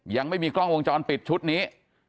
ยังไม่มีกล้องวงจรปิดชุดนี้